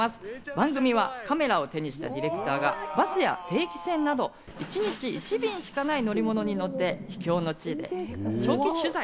番組はカメラを手にしたディレクターがバスや定期船など、１日１便しかない乗り物に乗って秘境の地で長期取材。